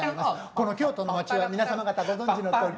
この京都の町は皆様方ご存じのとおり。